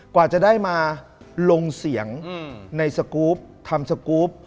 กว่าจะได้มาลงเสียงในสกรูปทำสกรูป